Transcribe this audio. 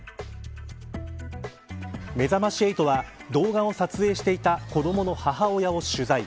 めざまし８は、動画を撮影していた子どもの母親を取材。